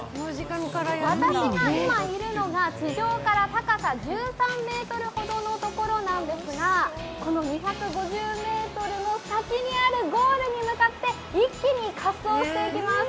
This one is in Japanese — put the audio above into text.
私が今いるのが、地上から高さ１３ｍほどの所なんですがこの２５０ｍの先にあるゴールに向かって一気に滑降していきます。